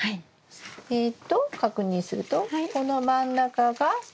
えっと確認するとこの真ん中が親づる。